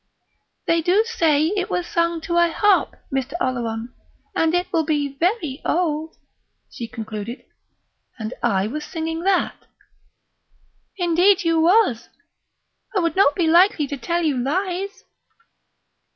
"They do say it was sung to a harp, Mr. Oleron, and it will be very o ald," she concluded. "And I was singing that?" "Indeed you wass. I would not be likely to tell you lies."